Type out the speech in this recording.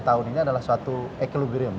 tahun ini adalah suatu equirem